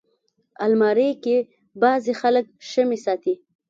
الماري کې بعضي خلک شمعې ساتي